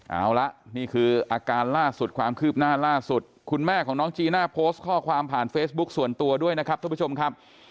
เอาละนี่คืออาการล่าสุดความคืบหน้าล่าสุดคุณแม่ของน้องจีน่าโพสต์ข้อความผ่านเฟซบุ๊คส่วนตัวด้วยนะครับทุกผู้ชมครับ